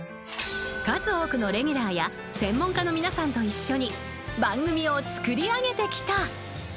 数多くのレギュラーや専門家の皆さんと一緒に番組を作り上げてきた。